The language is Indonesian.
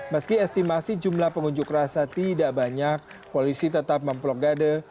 meski estimasi jumlah pengunjuk rasa tidak banyak polisi tetap memblokade